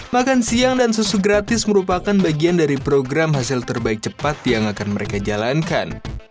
makan siang dan susu gratis merupakan bagian dari program hasil terbaik cepat yang akan mereka jalankan